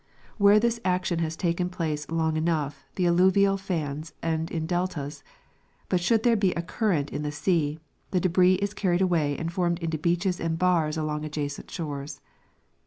Where this action has taken place long enough the alluvial fans end in deltas ; but shoul^l there be a current in the sea, the debris is carried away and formed into beaches and bars along adjacent shores.